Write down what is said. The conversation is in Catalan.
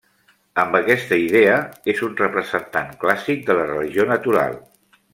Amb aquesta idea, és un representant clàssic de la religió natural.